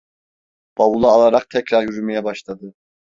Bavulu alarak tekrar yürümeye başladı…